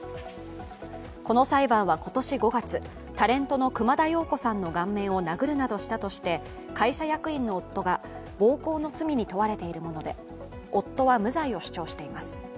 この裁判は今年５月、タレントの熊田曜子さんの顔面を殴るなどしたとして会社役員の夫が暴行の罪に問われているもので夫は無罪を主張しています。